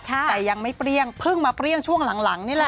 แต่ยังไม่เปรี้ยงเพิ่งมาเปรี้ยงช่วงหลังนี่แหละ